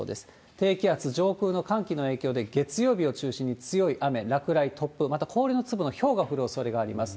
低気圧、上空の寒気の影響で、月曜日を中心に強い雨、落雷、突風、また氷の粒のひょうが降るおそれがあります。